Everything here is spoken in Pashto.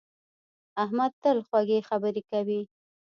احمد تل خوږې خبرې کوي.